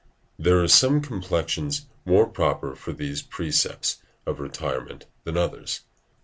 There are some complexions more proper for these precepts of retirement than others.